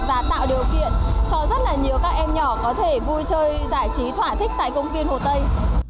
và tạo điều kiện cho rất là nhiều các em nhỏ có thể vui chơi giải trí thỏa thích tại công viên hồ tây